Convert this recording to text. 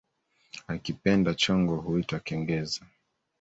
Akipenda chongo huita kengeza